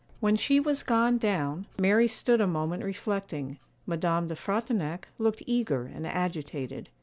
When she was gone down, Mary stood a moment reflecting; Madame de Frontignac looked eager and agitated.